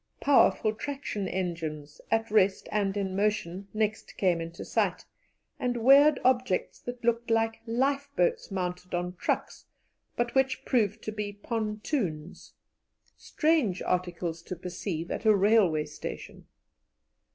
Powerful traction engines, at rest and in motion, next came into sight, and weird objects that looked like life boats mounted on trucks, but which proved to be pontoons strange articles to perceive at a railway station.